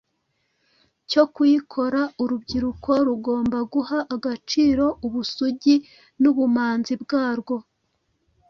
cyo kuyikora, urubyiruko rugomba guha agaciro ubusugi n’ubumanzi bwarwo,